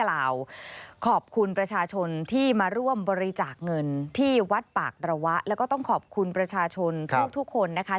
อากระวะแล้วก็ต้องขอบคุณประชาชนทุกคนนะคะ